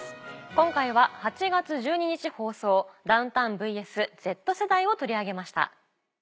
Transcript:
今回は８月１２日放送『ダウンタウンｖｓＺ世代』を取り上げました。